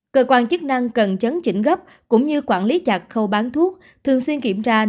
cơ quan chức năng cần chấn chỉnh gấp cũng như quản lý chặt khâu bán thuốc thường xuyên kiểm tra